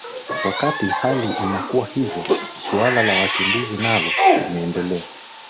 wakati hali inakuwa hivyo suala la wakimbizi nalo limeendelea